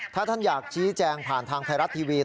ถ้าท่านอยากชี้แจงผ่านทางไทยรัฐทีวี